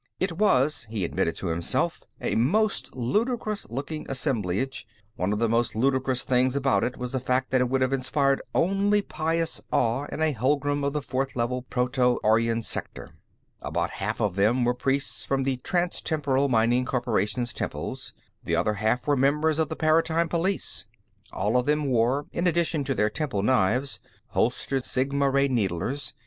It was, he admitted to himself, a most ludicrous looking assemblage; one of the most ludicrous things about it was the fact that it would have inspired only pious awe in a Hulgun of the Fourth Level Proto Aryan Sector. About half of them were priests from the Transtemporal Mining Corporation's temples; the other half were members of the Paratime Police. All of them wore, in addition to their temple knives, holstered sigma ray needlers.